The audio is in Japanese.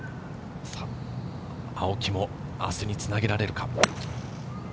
青木も明日につなげられるか。